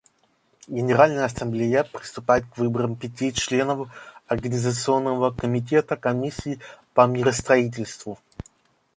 Генеральная Ассамблея приступает к выборам пяти членов Организационного комитета Комиссии по миростроительству.